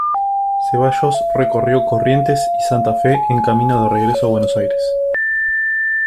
Cevallos recorrió Corrientes y Santa Fe en camino de regreso a Buenos Aires.